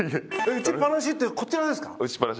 打ちっぱなしってこっちのですか？